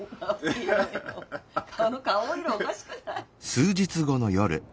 この顔色おかしくない？